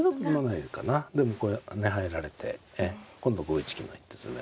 でもこれ入られて今度５一金の一手詰め。